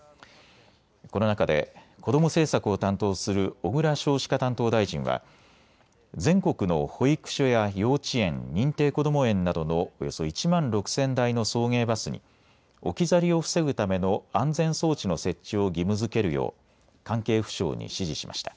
この中で、こども政策を担当する小倉少子化担当大臣は全国の保育所や幼稚園、認定こども園などのおよそ１万６０００台の送迎バスに置き去りを防ぐための安全装置の設置を義務づけるよう関係府省に指示しました。